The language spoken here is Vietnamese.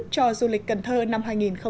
cho du lịch cần thơ năm hai nghìn một mươi bảy